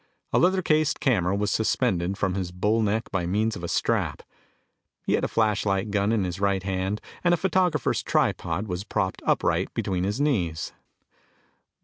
A leather cased camera was suspended from his bull neck by means of a strap. He had a flashlight gun in his right hand, and a photographer's tripod was propped upright between his knees.